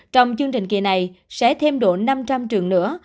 trong chương trình kỳ này sẽ thêm độ năm trăm linh trường nữa